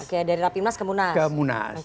oke dari rapimnas ke munas